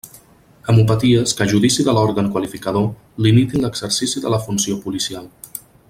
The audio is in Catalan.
Hemopaties que a judici de l'òrgan qualificador limitin l'exercici de la funció policial.